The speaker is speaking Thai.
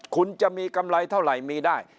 คุณจะมีกำไรเท่าไหร่มีได้